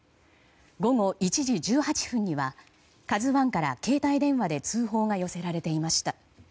午後１時１８分には「ＫＡＺＵ１」から携帯電話で通報が寄せられていました。